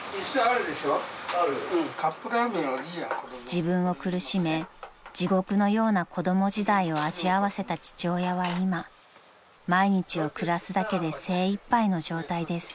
［自分を苦しめ地獄のような子供時代を味わわせた父親は今毎日を暮らすだけで精いっぱいの状態です］